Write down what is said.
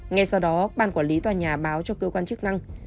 ngay sau đó ban quản lý tòa nhà báo cho cơ quan chức năng